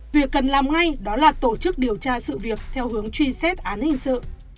việc cần làm ngay đó là tổ chức điều tra sự việc theo hướng truy xét án hình sự